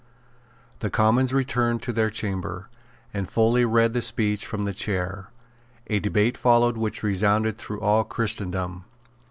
The Commons returned to their chamber; and Foley read the speech from the chair. A debate followed which resounded through all Christendom.